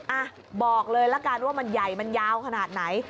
อ่ะบอกเลยละกันว่ามันใหญ่มันยาวขนาดไหน